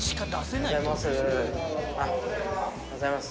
おはようございます。